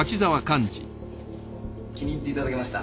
気に入っていただけました。